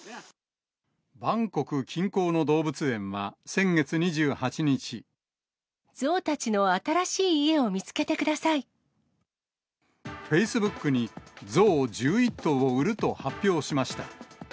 バンコク近郊の動物園は、先月２８日、象たちの新しい家を見つけてフェイスブックに、象１１頭を売ると発表しました。